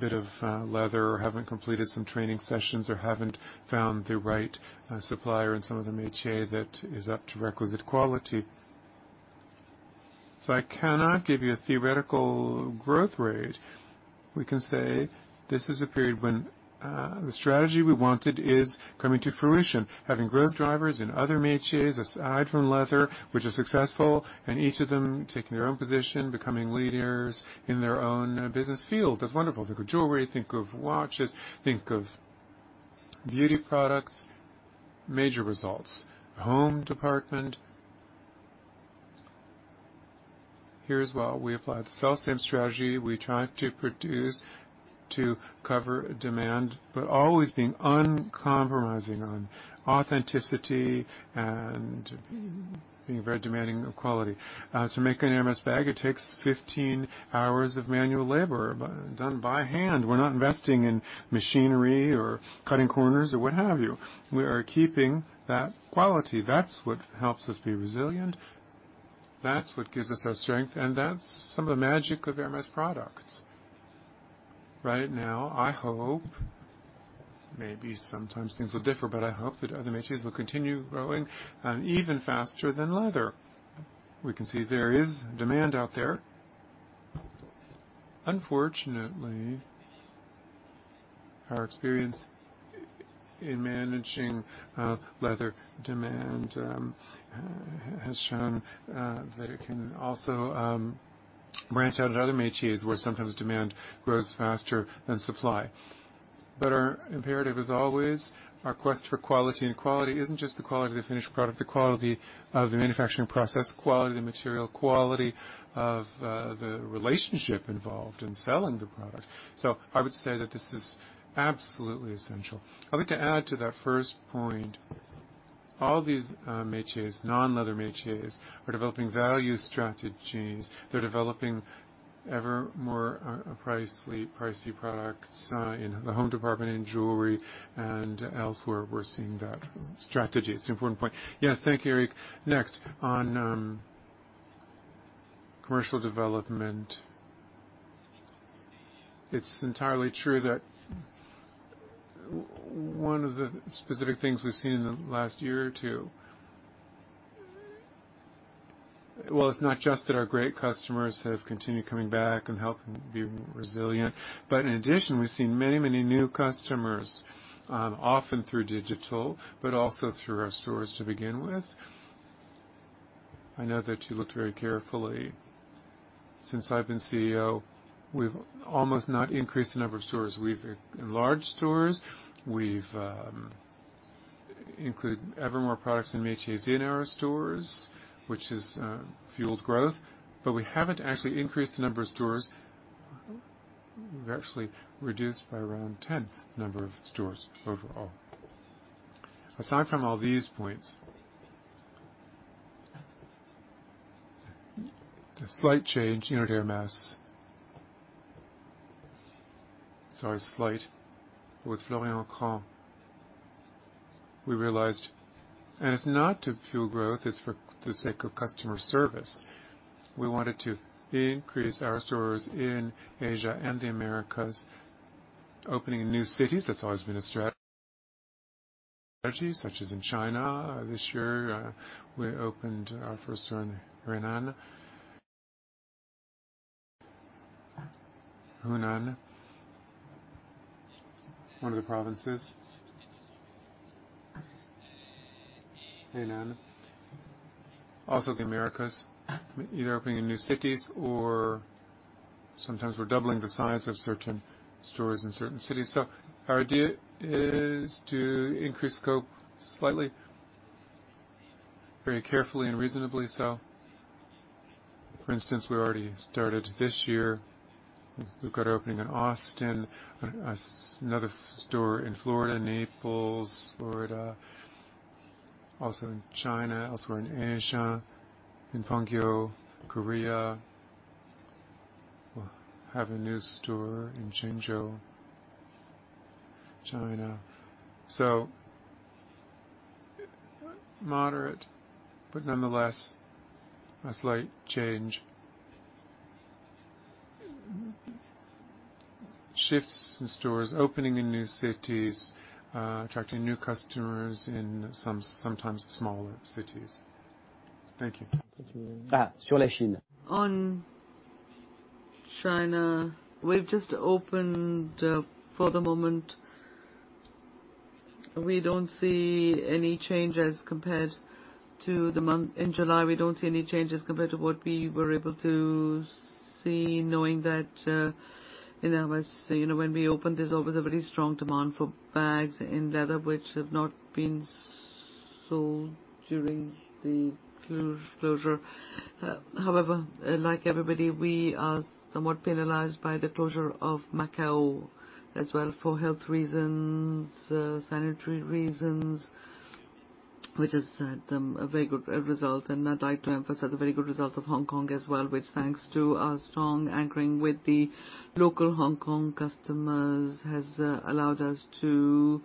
bit of leather or haven't completed some training sessions or haven't found the right supplier in some of the métiers that is up to requisite quality. I cannot give you a theoretical growth rate. We can say this is a period when the strategy we wanted is coming to fruition. Having growth drivers in other métiers aside from leather, which are successful, and each of them taking their own position, becoming leaders in their own business field. That's wonderful. Think of jewelry, think of watches, think of beauty products, major results. Home department. Here as well, we apply the same strategy. We try to produce to cover demand, but always being uncompromising on authenticity and being very demanding of quality. To make an Hermès bag, it takes 15 hours of manual labor done by hand. We're not investing in machinery or cutting corners or what have you. We are keeping that quality. That's what helps us be resilient, that's what gives us our strength, and that's some of the magic of Hermès products. Right now, I hope, maybe sometimes things will differ, but I hope that other métiers will continue growing even faster than leather. We can see there is demand out there. Unfortunately, our experience in managing leather demand has shown that it can also branch out at other métiers where sometimes demand grows faster than supply. Our imperative is always our quest for quality. Quality isn't just the quality of the finished product, the quality of the manufacturing process, quality of the material, quality of the relationship involved in selling the product. I would say that this is absolutely essential. I would to add to that first point, all these métiers, non-leather métiers, are developing value strategies. They're developing ever more pricey products. In the home department, in jewelry, and elsewhere, we're seeing that strategy. It's an important point. Yes. Thank you, Éric. Next, on commercial development. It's entirely true that one of the specific things we've seen in the last year or two. Well, it's not just that our great customers have continued coming back and helping be resilient. In addition, we've seen many, many new customers, often through digital, but also through our stores to begin with. I know that you looked very carefully. Since I've been CEO, we've almost not increased the number of stores. We've enlarged stores, we've included ever more products in métiers in our stores, which has fueled growth, but we haven't actually increased the number of stores. We've actually reduced by around 10 number of stores overall. Aside from all these points, the slight change in Hermès, sorry, slight, with Florian Craen, we realized, and it's not to fuel growth, it's for the sake of customer service. We wanted to increase our stores in Asia and the Americas, opening in new cities. That's always been a strategy, such as in China. This year, we opened our first store in Henan. Henan, one of the provinces in China. Also the Americas, either opening in new cities or sometimes we're doubling the size of certain stores in certain cities. Our idea is to increase scope slightly, very carefully and reasonably so. For instance, we already started this year. We've got an opening in Austin, another store in Florida, Naples, Florida, also in China, elsewhere in Asia, in Pangyo, Korea. We'll have a new store in Zhengzhou, China. Moderate, but nonetheless, a slight change. Shifts in stores, opening in new cities, attracting new customers in some, sometimes smaller cities. Thank you. Sur la Chine. On China, we've just opened. For the moment, we don't see any changes compared to the month. In July, we don't see any changes compared to what we were able to see, knowing that, you know, as you know, when we open, there's always a very strong demand for bags in leather, which have not been sold during the closure. However, like everybody, we are somewhat penalized by the closure of Macau as well, for health reasons, sanitary reasons, which has had a very good result. I'd like to emphasize the very good results of Hong Kong as well, which thanks to our strong anchoring with the local Hong Kong customers, has allowed us to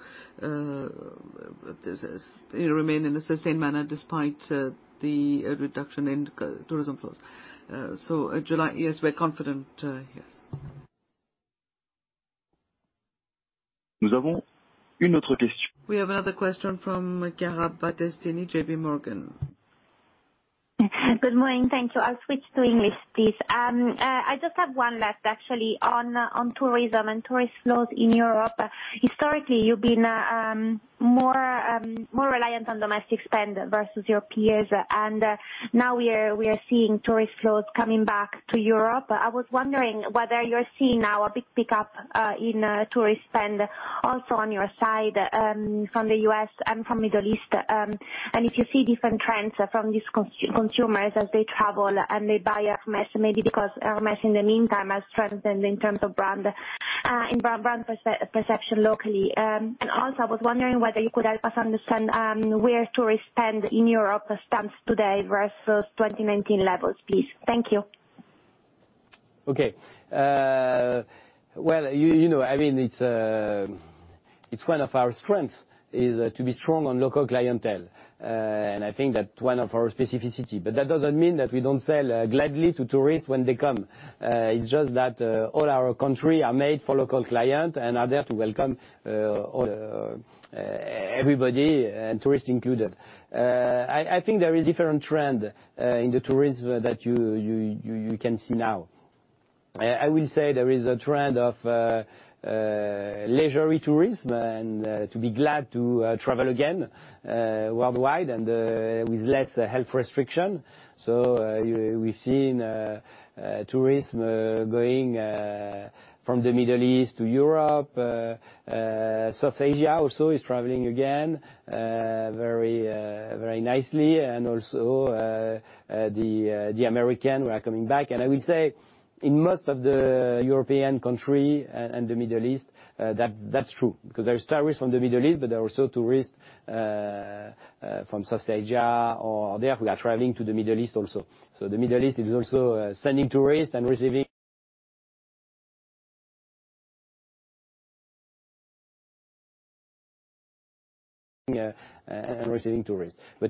remain in a sustained manner despite the reduction in tourism flows. July, yes, we're confident, yes. We have another question from Chiara Battistini, J.P. Morgan. Good morning. Thank you. I'll switch to English, please. I just have one last actually on tourism and tourist flows in Europe. Historically, you've been more reliant on domestic spend versus your peers. Now we are seeing tourist flows coming back to Europe. I was wondering whether you're seeing now a big pickup in tourist spend also on your side from the U.S. and from Middle East, and if you see different trends from these consumers as they travel and they buy Hermès, maybe because Hermès in the meantime has strengthened in terms of brand in brand perception locally. Also, I was wondering whether you could help us understand where tourist spend in Europe stands today versus 2019 levels, please. Thank you. Okay. Well, you know, I mean, it's one of our strengths is to be strong on local clientele. I think that one of our specificity, but that doesn't mean that we don't sell gladly to tourists when they come. It's just that all our stores are made for local client and are there to welcome all, everybody and tourists included. I think there is different trend in the tourism that you can see now. I will say there is a trend of leisure tourism and to be glad to travel again worldwide and with less health restriction. We've seen tourism going from the Middle East to Europe. South Asia also is traveling again very nicely. The American were coming back. I will say in most of the European country and the Middle East, that that's true, because there is tourists from the Middle East, but there are also tourists from South Asia or there who are traveling to the Middle East also. The Middle East is also sending tourists and receiving tourists.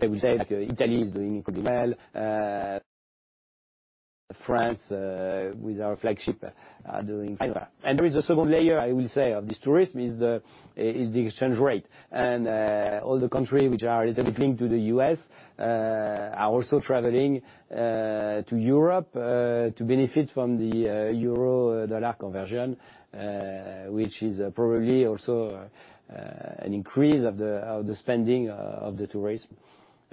I will say Italy is doing incredibly well. France with our flagship are doing very well. There is a second layer, I will say, of this tourism is the exchange rate. All the countries which are a little bit linked to the U.S. are also traveling to Europe to benefit from the euro-dollar conversion, which is probably also an increase of the spending of the tourists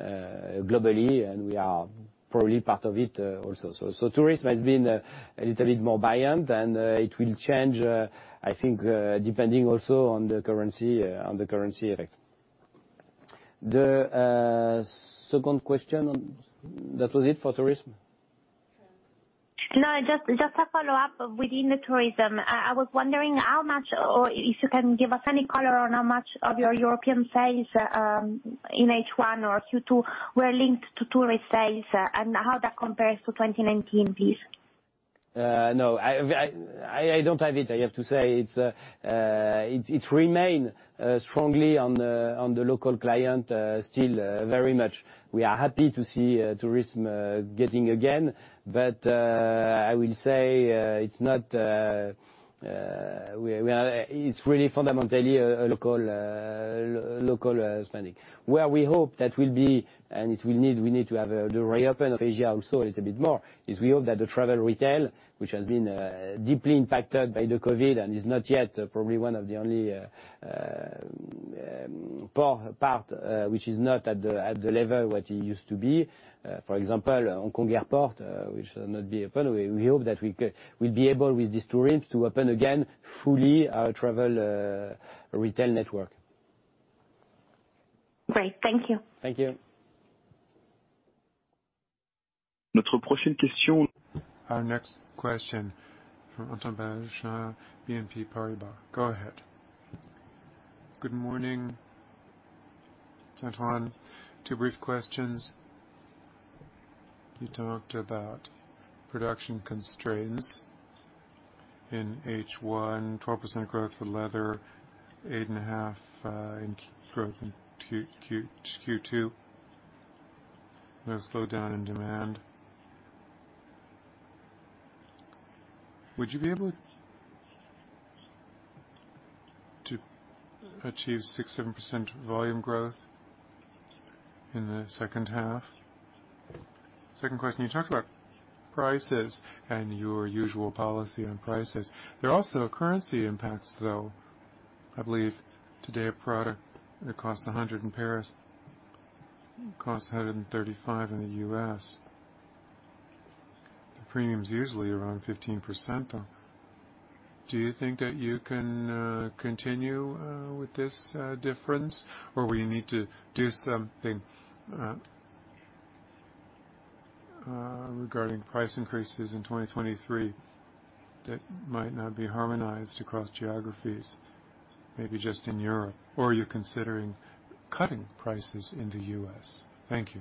globally, and we are probably part of it also. So tourism has been a little bit more buoyant, and it will change, I think, depending also on the currency, on the currency effect. The second question on. That was it for tourism? No, just a follow-up within the tourism. I was wondering how much or if you can give us any color on how much of your European sales in H1 or Q2 were linked to tourist sales and how that compares to 2019, please? No. I don't have it, I have to say. It remains strongly on the local client still very much. We are happy to see tourism getting again. I will say it's not. It's really fundamentally a local spending. Where we hope that will be and we need to have the reopening of Asia also a little bit more is we hope that the travel retail, which has been deeply impacted by COVID-19 and is not yet probably one of the only. Part, which is not at the level what it used to be. For example, Hong Kong airport, which will not be open. We hope that we'll be able, with these tourists, to open again fully our travel retail network. Great. Thank you. Thank you. Our next question from Antoine Belge, BNP Paribas. Go ahead. Good morning, Antoine. Two brief questions. You talked about production constraints in H1, 12% growth for leather, 8.5% growth in Q2. There's slowdown in demand. Would you be able to achieve 6%-7% volume growth in the second half? Second question, you talked about prices and your usual policy on prices. There are also currency impacts, though. I believe today a product that costs 100 in Paris costs $135 in the U.S. The premium's usually around 15%, though. Do you think that you can continue with this difference? Or will you need to do something regarding price increases in 2023 that might not be harmonized across geographies, maybe just in Europe? Or are you considering cutting prices in the U.S.? Thank you.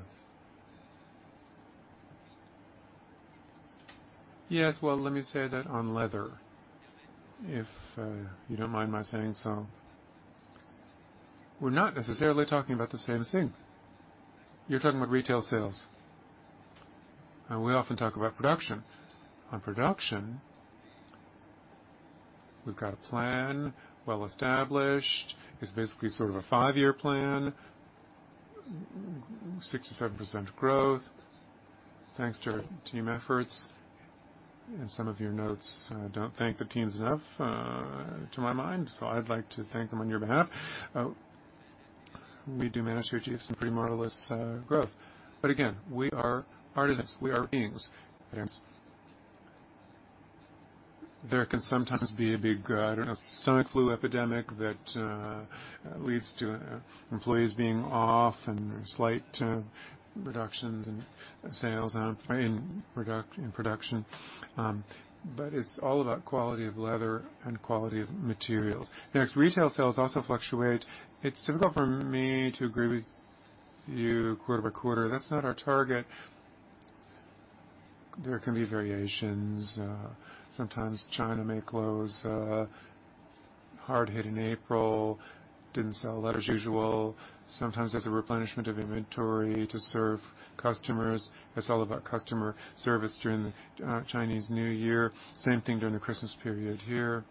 Yes. Well, let me say that on leather, if you don't mind my saying so. We're not necessarily talking about the same thing. You're talking about retail sales, and we often talk about production. On production, we've got a plan well established. It's basically sort of a five-year plan, 6%-7% growth. Thanks to our team efforts, and some of your notes don't thank the teams enough, to my mind, so I'd like to thank them on your behalf. We do manage to achieve some pretty more or less growth. But again, we are artisans. We are beings. There can sometimes be a big I don't know, stomach flu epidemic that leads to employees being off and slight reductions in sales and in production. But it's all about quality of leather and quality of materials. Next, retail sales also fluctuate. It's difficult for me to agree with you quarter by quarter. That's not our target. There can be variations. Sometimes China may close, hard hit in April, didn't sell leather as usual. Sometimes there's a replenishment of inventory to serve customers. It's all about customer service during the Chinese New Year. Same thing during the Christmas period here.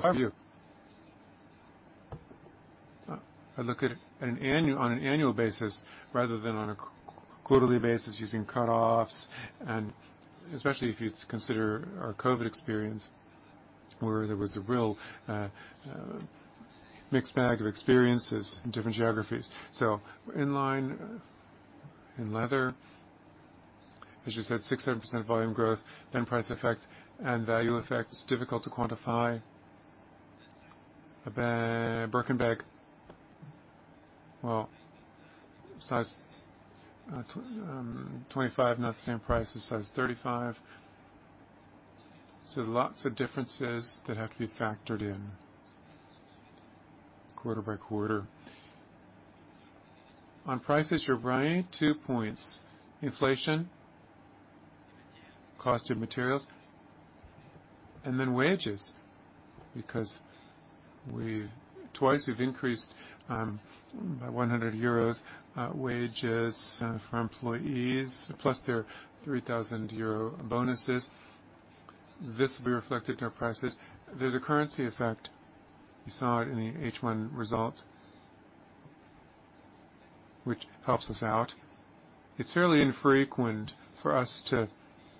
For you. I look at it on an annual basis rather than on a quarterly basis using cutoffs, and especially if you consider our COVID experience, where there was a real, mixed bag of experiences in different geographies. In line in leather, as you said, 6%-7% volume growth, then price effect and value effects, difficult to quantify. A Birkin bag, well, size 25, not the same price as size 35. Lots of differences that have to be factored in quarter by quarter. On prices, you're right. Two points: inflation, cost of materials, and then wages. Because twice we've increased 100 euros wages for employees, plus their 3,000 euro bonuses. This will be reflected in our prices. There's a currency effect. You saw it in the H1 results, which helps us out. It's fairly infrequent for us to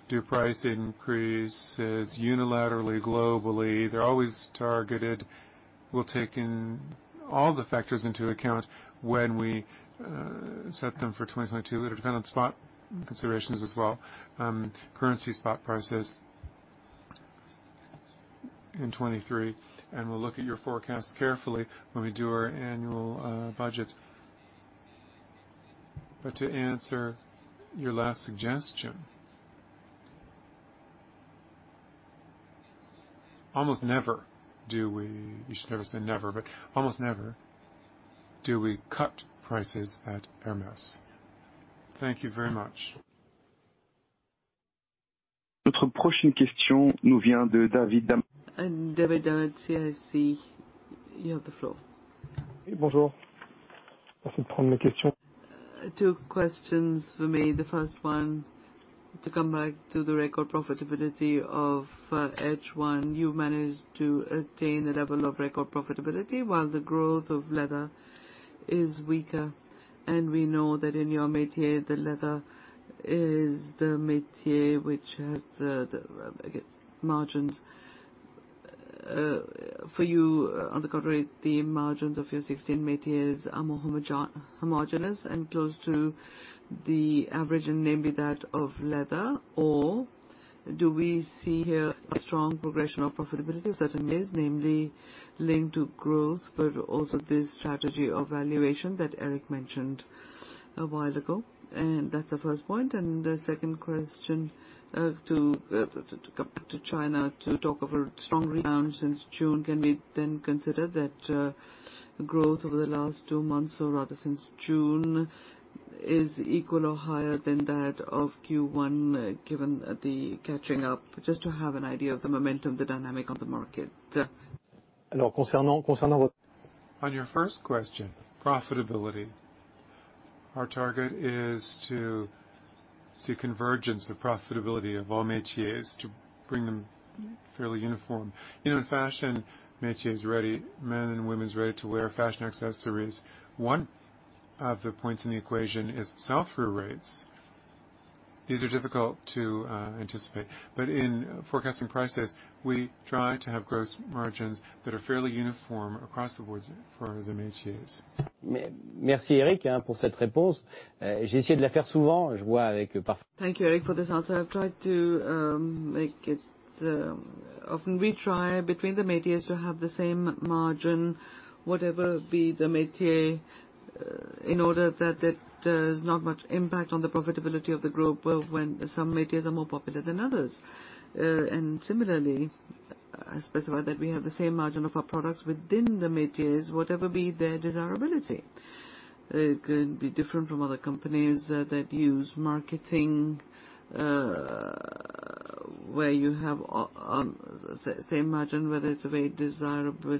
do price increases unilaterally, globally. They're always targeted. We'll take in all the factors into account when we set them for 2022. It'll depend on spot considerations as well, currency spot prices in 2023, and we'll look at your forecast carefully when we do our annual budget. To answer your last suggestion, almost never do we. You should never say never, but almost never do we cut prices at Hermès. Thank you very much. David Daoud, CIC, you have the floor. Bonjour. Thanks for taking my question. Two questions for me. The first one, to come back to the record profitability of H1. You managed to attain a level of record profitability while the growth of leather is weaker. We know that in your métier, the leather is the métier which has the margins. For you, on the contrary, the margins of your 16 métiers are more homogeneous and close to the average, and namely that of leather. Or do we see here a strong progression of profitability of certain years, namely linked to growth, but also this strategy of valuation that Éric mentioned a while ago? That's the first point. The second question to come to China to talk of a strong rebound since June, can we then consider that growth over the last two months, or rather since June, is equal or higher than that of Q1, given the catching up? Just to have an idea of the momentum, the dynamic on the market. On your first question, profitability. Our target is to see convergence of profitability of all métiers, to bring them fairly uniform. You know, in fashion, métiers ready, men and women's ready-to-wear fashion accessories. One of the points in the equation is sell-through rates. These are difficult to anticipate. In forecasting prices, we try to have gross margins that are fairly uniform across the board for the métiers. Thank you, Éric, for this answer. I've tried to make it. Often we try between the métiers to have the same margin, whatever be the métier, in order that there's not much impact on the profitability of the group when some métiers are more popular than others. Similarly, I specified that we have the same margin of our products within the métiers, whatever be their desirability. It can be different from other companies that use marketing, where you have same margin, whether it's a very desirable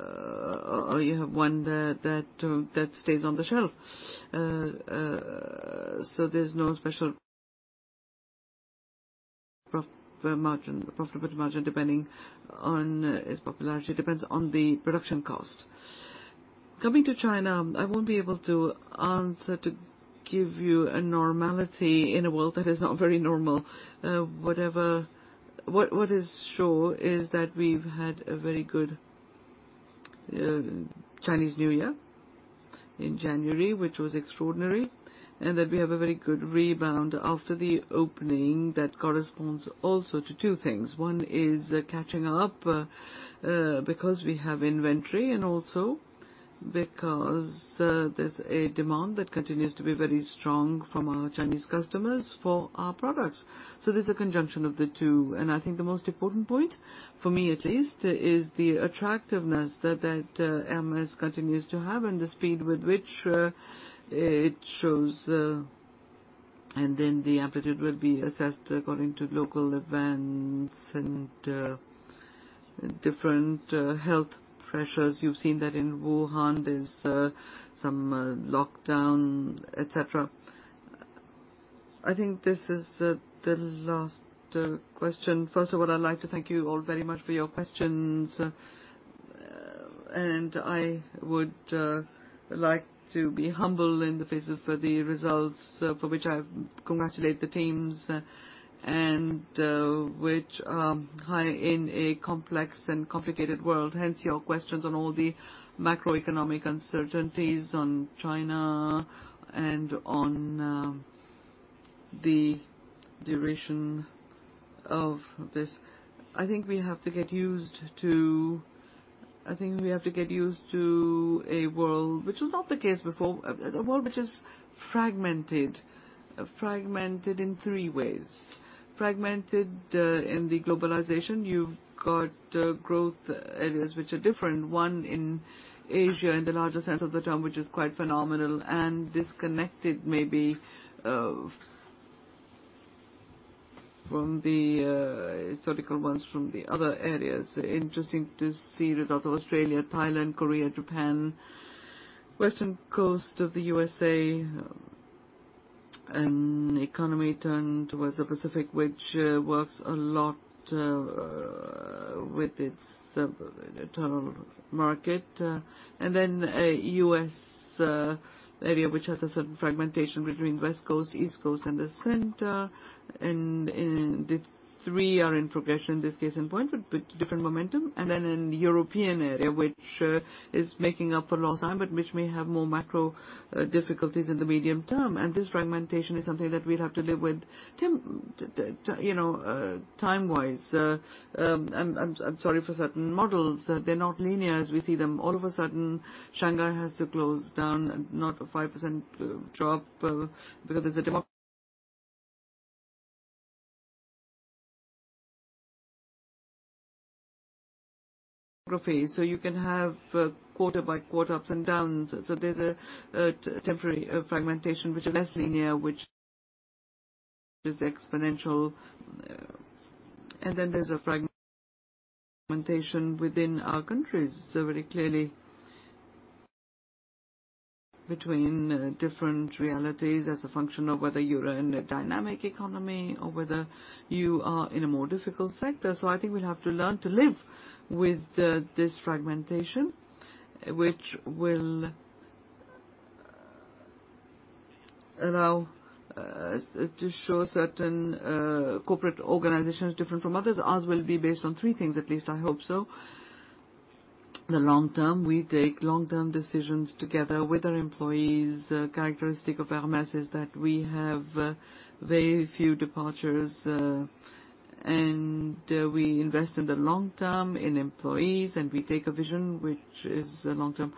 or you have one that stays on the shelf. There's no special profitable margin depending on its popularity. It depends on the production cost. Coming to China, I won't be able to answer to give you a normality in a world that is not very normal. What is sure is that we've had a very good Chinese New Year in January, which was extraordinary, and that we have a very good rebound after the opening that corresponds also to two things. One is catching up, because we have inventory and also because there's a demand that continues to be very strong from our Chinese customers for our products. So there's a conjunction of the two, and I think the most important point, for me at least, is the attractiveness that Hermès continues to have and the speed with which it shows. Then the amplitude will be assessed according to local events and different health pressures. You've seen that in Wuhan, there's some lockdown, et cetera. I think this is the last question. First of all, I'd like to thank you all very much for your questions. I would like to be humble in the face of the results for which I congratulate the teams, and which high in a complex and complicated world. Hence your questions on all the macroeconomic uncertainties on China and on the duration of this. I think we have to get used to a world which was not the case before, a world which is fragmented. Fragmented in three ways. Fragmented in the globalization. You've got growth areas which are different. One in Asia, in the larger sense of the term, which is quite phenomenal and disconnected maybe from the historical ones from the other areas. Interesting to see results of Australia, Thailand, Korea, Japan, West Coast of the U.S., an economy turned towards the Pacific, which works a lot with its internal market. A U.S. area which has a certain fragmentation between West Coast, East Coast and the center. The three are in progression, this case in point, but with different momentum. In European area, which is making up for lost time, but which may have more macro difficulties in the medium term. This fragmentation is something that we'll have to live with, you know, time-wise. I'm sorry for certain models. They're not linear as we see them. All of a sudden, Shanghai has to close down, not a 5% drop, because there's a demography. You can have quarter by quarter ups and downs. There's a temporary fragmentation which is less linear, which is exponential. There's a fragmentation within our countries. Very clearly between different realities as a function of whether you're in a dynamic economy or whether you are in a more difficult sector. I think we'll have to learn to live with this fragmentation, which will allow to show certain corporate organizations different from others. Ours will be based on three things at least, I hope so. The long term. We take long-term decisions together with our employees. Characteristic of Hermès is that we have very few departures, and we invest in the long term in employees, and we take a vision which is long-term.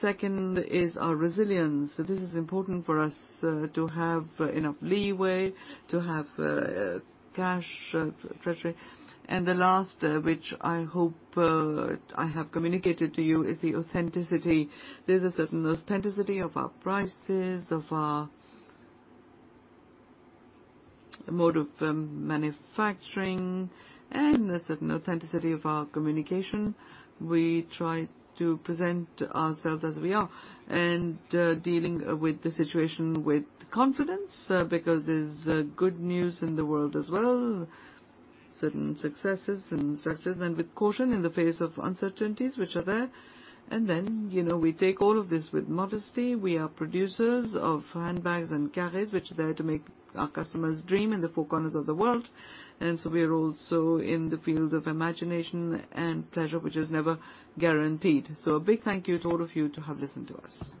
Second is our resilience. This is important for us to have enough leeway, to have cash treasury. The last, which I hope I have communicated to you is the authenticity. There's a certain authenticity of our prices, of our mode of manufacturing, and a certain authenticity of our communication. We try to present ourselves as we are. Dealing with the situation with confidence, because there's good news in the world as well, certain successes, and with caution in the face of uncertainties which are there. You know, we take all of this with modesty. We are producers of handbags and carriages, which are there to make our customers dream in the four corners of the world. We are also in the field of imagination and pleasure, which is never guaranteed. A big thank you to all of you to have listened to us.